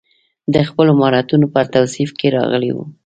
د خپلو مهارتونو پر توصیف کې راغلی و.